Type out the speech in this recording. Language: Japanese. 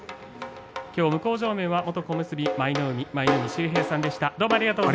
向正面は元小結舞の海の舞の海秀平さんでした。